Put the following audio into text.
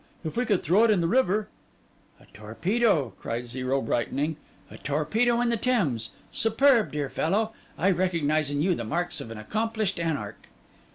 If we could throw it in the river—' 'A torpedo,' cried Zero, brightening, 'a torpedo in the Thames! Superb, dear fellow! I recognise in you the marks of an accomplished anarch.